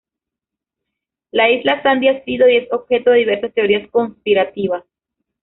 La isla Sandy ha sido y es objeto de diversas teorías conspirativas.